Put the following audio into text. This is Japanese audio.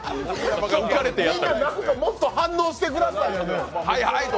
みんななんかもっと反応してくださいよ。